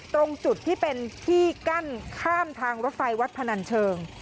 ตรงจุดที่เป็นที่กั้นข้ามทางรถไฟวัดพนันเชิง